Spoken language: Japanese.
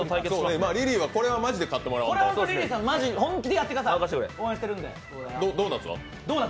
リリーはこれはマジで勝ってもらわないと。